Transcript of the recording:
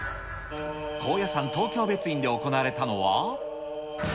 高野山東京別院で行われたのは。